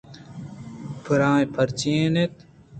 پراہیں برچی ئے اَت